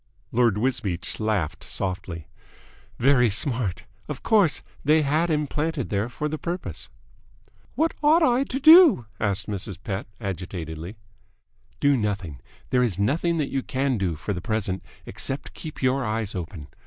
Lord Wisbeach laughed softly. "Very smart. Of course they had him planted there for the purpose." "What ought I to do?" asked Mrs. Pett agitatedly. "Do nothing. There is nothing that you can do, for the present, except keep your eyes open.